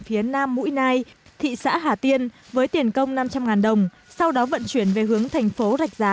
phía nam mũi nai thị xã hà tiên với tiền công năm trăm linh đồng sau đó vận chuyển về hướng thành phố rạch giá